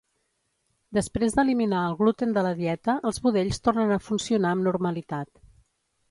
Després d'eliminar el gluten de la dieta els budells tornen a funcionar amb normalitat.